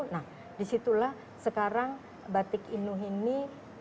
nah disitulah sekarang batik inuh ini